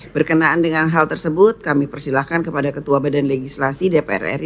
berkenaan dengan hal tersebut kami persilahkan kepada ketua badan legislasi dpr ri